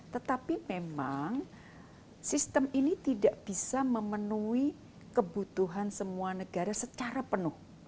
tetapi memang sistem ini tidak bisa memenuhi kebutuhan semua negara secara penuh